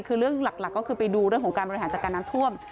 คือเรื่องหลักก็คือไปดูเรื่องของการบริหารจัดการน้ำท่วม